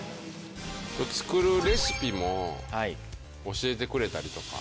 作るレシピも教えてくれたりとか。